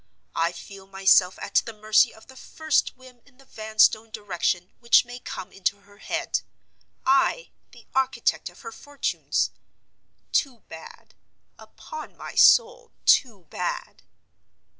I feel myself at the mercy of the first whim in the Vanstone direction which may come into her head—I, the architect of her fortunes. Too bad; upon my soul, too bad.